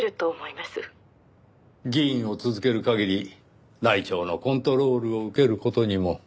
議員を続ける限り内調のコントロールを受ける事にも。